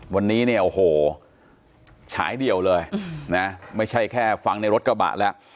วันนี้เนี่ยโอ้โหฉายเดี่ยวเลยนะไม่ใช่แค่ฟังในรถกระบะแล้ว